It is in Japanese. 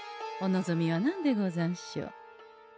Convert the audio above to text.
お望みは何でござんしょう？